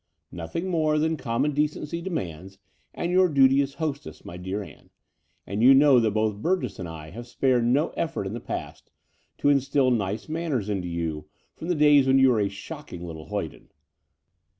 "Nothing more than common decency demands, and your duty as hostess, my dear Ann : and you know that both Burgess and I have spared no effort in the past to instil nice manners into you from the days when you were a shocking little hoyden."